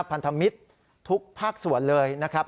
พันธมิตรทุกภาคส่วนเลยนะครับ